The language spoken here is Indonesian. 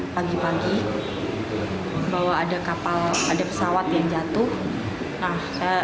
pagi pagi bahwa ada pesawat yang jatuh